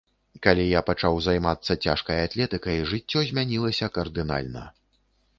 Калі я пачаў займацца цяжкай атлетыкай, жыццё змянілася кардынальна.